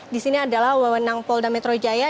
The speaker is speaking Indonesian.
di sini adalah wawenang pol dan metro jaya